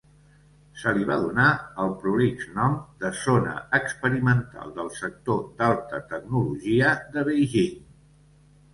Se li va donar el prolix nom de Zona Experimental del Sector d'Alta Tecnologia de Beijing